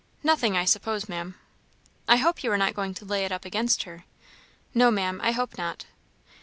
"Nothing, I suppose, Maam." "I hope you are not going to lay it up against her?" "No, Maam, I hope not."